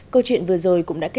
câu chuyện vừa rồi cũng đã kết thúc